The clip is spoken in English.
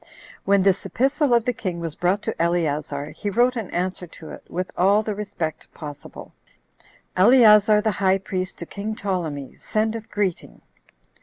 6. When this epistle of the king was brought to Eleazar, he wrote an answer to it with all the respect possible: "Eleazar the high priest to king Ptolemy, sendeth greeting.